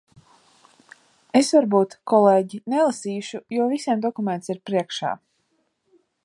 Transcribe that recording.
Es varbūt, kolēģi, nelasīšu, jo visiem dokuments ir priekšā.